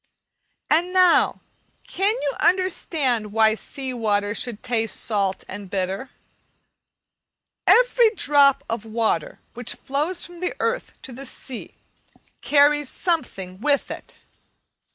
And now, can you understand why sea water should taste salt and bitter? Every drop of water which flows from the earth to the sea carries something with it.